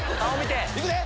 いくで！